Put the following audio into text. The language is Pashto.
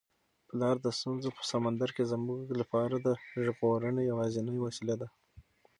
پلار د ستونزو په سمندر کي زموږ لپاره د ژغورنې یوازینۍ وسیله ده.